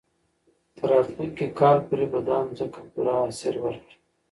تر راتلونکي کال پورې به دا مځکه پوره حاصل ورکړي.